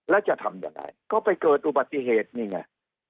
แล้วจะทำยังไงก็ไปเกิดอุบัติเหตุนี่ไง